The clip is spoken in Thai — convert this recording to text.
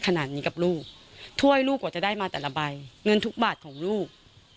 ขนาดนี้กับลูกถ้วยลูกกว่าจะได้มาแต่ละใบเงินทุกบาทของลูก